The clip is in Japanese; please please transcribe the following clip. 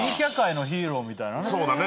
そうだね。